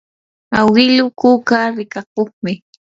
awiluu kuka rikakuqmi.